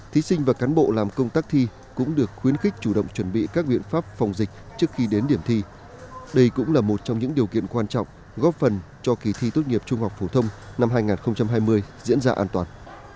thí sinh và cán bộ làm công tác thi cũng được khuyến khích chủ động chuẩn bị các biện pháp phòng dịch trước khi đến điểm thi đây cũng là một trong những điều kiện quan trọng góp phần cho kỳ thi tốt nghiệp trung học phổ thông năm hai nghìn hai mươi diễn ra an toàn